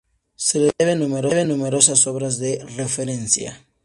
Se le deben numerosas obras de referencia.